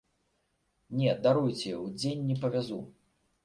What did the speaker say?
Не, даруйце, удзень не павязу!